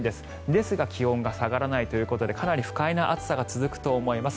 ですが気温が下がらないということでかなり不快な暑さが続くと思います。